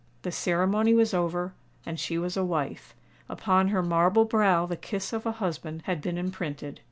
The ceremony was over—and she was a wife:—upon her marble brow the kiss of a husband had been imprinted.